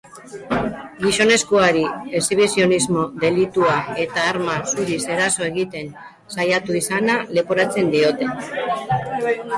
Gizonezkoari exhibizionismo delitua eta arma zuriz eraso egiten saiatu izana leporatzen diote.